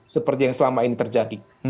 seperti yang selama ini terjadi